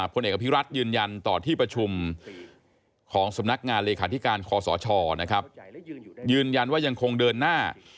พลเอกอภิรัตยืนยันต่อที่ประชุมของสำนักงานเลขาธิการคอสชนะครับยืนยันว่ายังคงเดินหน้า